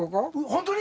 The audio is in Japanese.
本当に？